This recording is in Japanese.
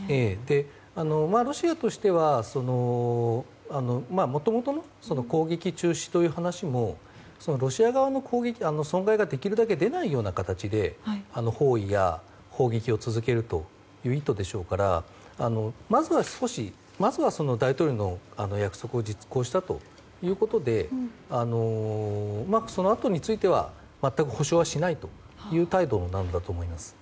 ロシアとしてはもともとの攻撃中止という話もロシア側の損害が、できるだけ出ないような形で包囲や砲撃を続けるという意図でしょうからまずは少し、大統領の約束を実行したということでそのあとについては全く保証はしないという態度なんだと思います。